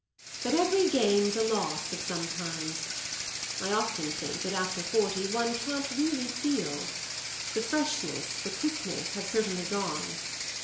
But every gain's a loss of some kind; I often think that after forty one can't really feel. The freshness, the quickness have certainly gone.